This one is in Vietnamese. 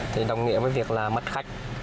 thì đồng nghĩa với việc là mất khách